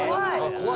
怖い。